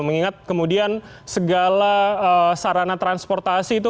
mengingat kemudian segala sarana transportasi itu